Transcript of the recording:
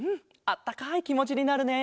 あったかいきもちになるね。